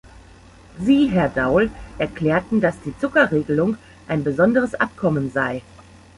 Sie, Herr Daul, erklärten, dass die Zuckerregelung ein besonderes Abkommen sei.